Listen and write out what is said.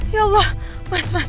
ya allah mas mas